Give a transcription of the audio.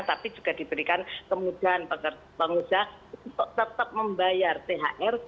tapi juga diberikan kemudahan pengusaha untuk tetap membayar thr